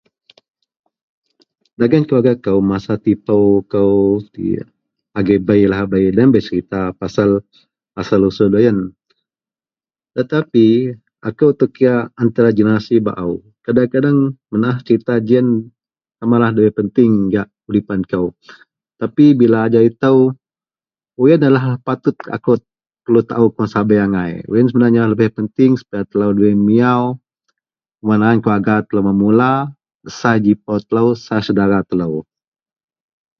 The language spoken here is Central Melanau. Dagen keluarga ko masa tipou kou agei bei lahabei loyen bei serita pasal pasal asal usul loyen. TetapI akou tou kira antara generasi baou kadang-kadang menaah serita jiyen sama lah dabei penting gak hidupan kou Tapi bila ajau itou wak iyenlah patut perlu tao keman sabei angai. Wak iyen lah lebih pengting supaya debei miaw keman an. Keluarga telo bermula, sai jipou telo sai saudara telo.